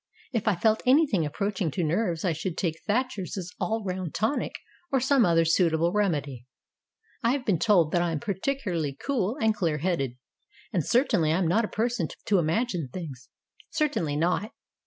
If I felt anything approaching to nerves I should take Thatcher's All round Tonic or some other suitable remedy. I have been told that I am particularly cool and clear headed, and certainly I am not a person to imagine things." "Certainly not."